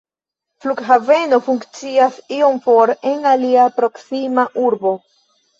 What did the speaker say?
Flughaveno funkcias iom for en alia proksima urbo.